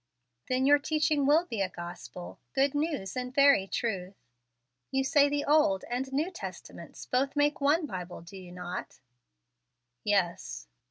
Then your teaching will be a gospel, good news in very truth. You say the Old and New Testaments both make one Bible, do you not?" "Yes."